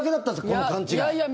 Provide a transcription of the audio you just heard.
この勘違い。